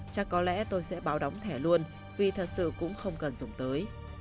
chắc có lẽ tôi sẽ báo đóng thẻ luôn vì thật sự cũng không cần dùng tới